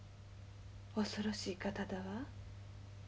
恐ろしい方だわ。